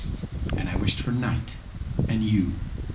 And I wished for night and you.